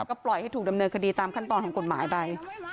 ก็ปล่อยให้ถูกดำเนินคดีตามขั้นตอนของกฎหมายไป